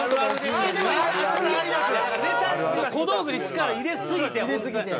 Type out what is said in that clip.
小道具に力入れすぎて本当に。